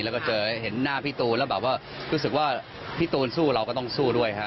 แล้วก็เจอเห็นหน้าพี่ตูนแล้วแบบว่ารู้สึกว่าพี่ตูนสู้เราก็ต้องสู้ด้วยฮะ